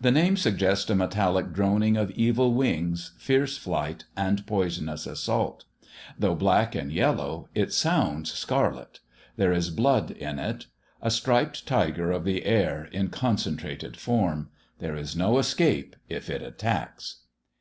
The name suggests a metallic droning of evil wings, fierce flight, and poisonous assault. Though black and yellow, it sounds scarlet. There is blood in it. A striped tiger of the air in concentrated form! There is no escape if it attacks.